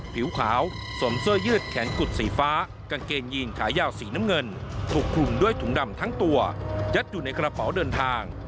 ผิวขาวสวมเสื้อยืดแขนกุดสีฟ้ากางเกงยีนขายาวสีน้ำเงินถูกคลุมด้วยถุงดำทั้งตัวยัดอยู่ในกระเป๋าเดินทาง